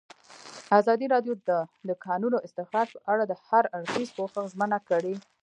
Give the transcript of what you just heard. ازادي راډیو د د کانونو استخراج په اړه د هر اړخیز پوښښ ژمنه کړې.